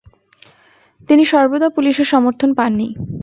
তিনি সর্বদা পুলিশের সমর্থন পাননি।